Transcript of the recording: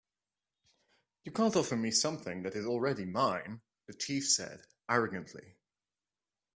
"You can't offer me something that is already mine," the chief said, arrogantly.